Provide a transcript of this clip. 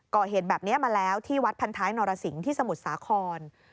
ก่อเหตุแบบนี้มาแล้วที่วัดพันท้ายนรสิงที่สมุทรสาคร